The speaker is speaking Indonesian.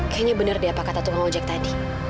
kayanya bener deh apa kata tukang ojek tadi